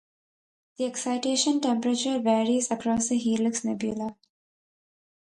The excitation temperature varies across the Helix nebula.